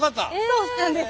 そうなんです。